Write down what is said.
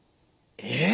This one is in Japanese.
えっ？